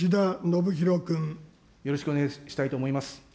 よろしくお願いしたいと思います。